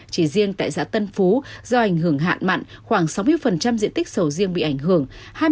chỉ riêng tại giã tân phú do ảnh hưởng hạn mặn khoảng sáu mươi diện tích sầu riêng bị ảnh hưởng